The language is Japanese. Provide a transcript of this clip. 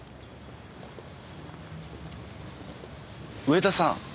上田さん。